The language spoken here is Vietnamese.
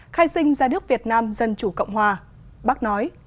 khai sinh giai đức việt nam dân chủ cộng hòa bác nói